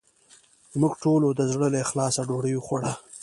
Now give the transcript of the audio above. موږ ټولو د زړه له اخلاصه ډوډې وخوړه